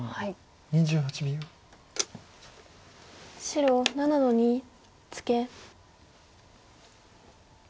白７の二ツケ。